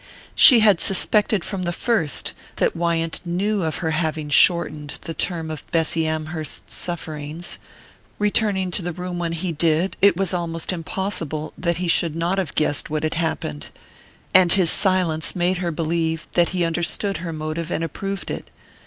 She had suspected from the first that Wyant knew of her having shortened the term of Bessy Amherst's sufferings returning to the room when he did, it was almost impossible that he should not have guessed what had happened; and his silence had made her believe that he understood her motive and approved it.